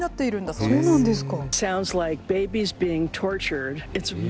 そうなんですか。